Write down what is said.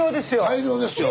大漁ですよ。